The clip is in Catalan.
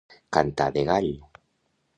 Cantar de gall.